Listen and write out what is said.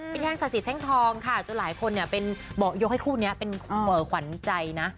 พี่แท้งสาธิตแท้งทองค่ะหลายคนยกให้คู่นี้เป็นขวัญใจนะ